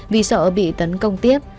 vì sợ bị tấn công tiếp